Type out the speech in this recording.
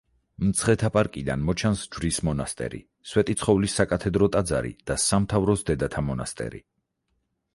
მცხეთა პარკიდან მოჩანს ჯვრის მონასტერი, სვეტიცხოვლის საკათედრო ტაძარი და სამთავროს დედათა მონასტერი.